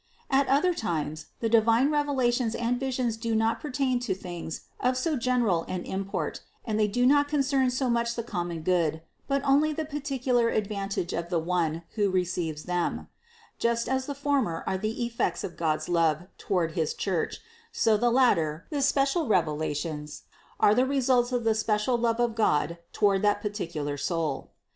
617. At other times the divine revelations and visions do not pertain to things of so general an import and they do not concern so much the common good, but only the particular advantage of the one who receives them; just as the former are the effects of God's love toward his Church, so the latter, the special revelations, are the re 478 CITY OF GOD suits of the special love of God toward the particular soul.